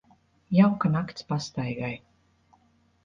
Jauka nakts pastaigai.